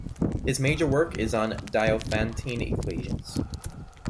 His major work is on Diophantine equations.